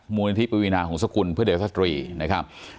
มูลนิทธิปรีวินาของสกุลเพื่อเด้อทัศน์ตรีนะครับ